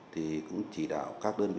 thì cũng chỉ đạo các đơn vị